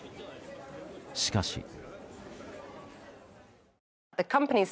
しかし。